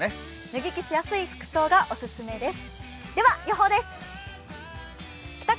脱ぎ着しやすい服装がおすすめです。